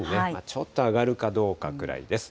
ちょっと上がるかどうかくらいです。